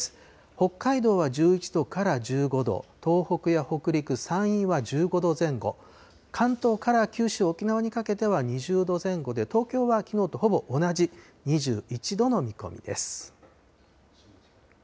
北海道は１１度から１５度、東北や北陸、山陰は１５度前後、関東から九州、沖縄にかけては２０度前後で東京はきのうとほぼ同じ２１度の見込みです。